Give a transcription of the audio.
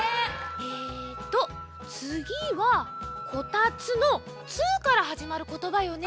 えっとつぎは「こたつ」の「つ」からはじまることばよね。